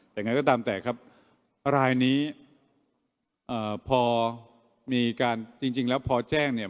แต่งั้นก็ตามแต่ครับอ่าพอมีการจริงจริงแล้วพอแจ้งเนี่ย